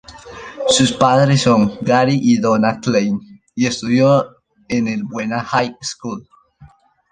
Sus padres son Gary y Donna Klein, y estudio en el Buena High School.